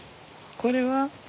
これは？